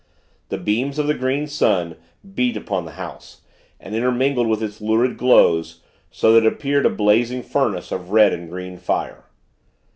The beams of the Green Sun, beat upon the house, and intermingled with its lurid glows; so that it appeared a blazing furnace of red and green fire.